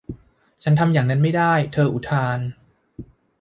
ฉันทำอย่างนั้นไม่ได้เธออุทาน